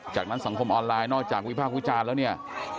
จากนั้นสังคมออนไลน์นอกจากวิพากษ์วิจารณ์แล้วเนี่ย